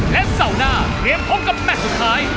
และเสาร์หน้าเตรียมพบกับแมทสุดท้าย